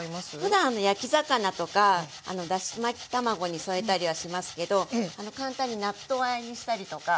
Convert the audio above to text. ふだん焼き魚とかだし巻き卵に添えたりはしますけど簡単に納豆あえにしたりとか。え！